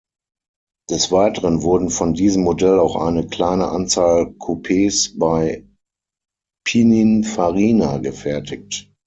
Des Weiteren wurden von diesem Modell auch eine kleine Anzahl Coupes bei Pininfarina gefertigt.